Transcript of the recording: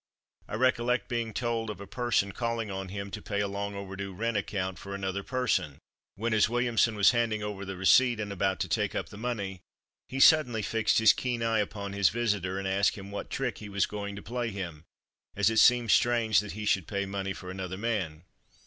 I recollect being told of a person calling on him, to pay a long over due rent account for another person, when, as Williamson was handing over the receipt, and about to take up the money, he suddenly fixed his keen eye upon his visitor, and asked him what trick he was going to play him, as it seemed strange that he should pay money for another man.